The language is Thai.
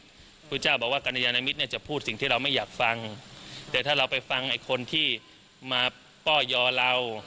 พระพุทธเจ้าบอกว่ากรยานมิตรเนี่ยจะพูดสิ่งที่เราไม่อยากฟังแต่ถ้าเราไปฟังไอ้คนที่มาป้อยอเรา